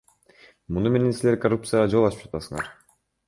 Муну менен силер коррупцияга жол ачып жатасыңар.